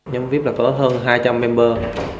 nhóm vip là có hơn hai trăm linh member